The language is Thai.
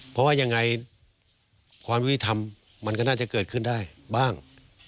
เพราะว่ายังไงความยุติธรรมมันก็น่าจะเกิดขึ้นได้บ้าง